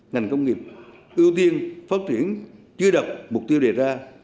ngành công nghiệp ưu tiên phát triển chưa đặt mục tiêu đề ra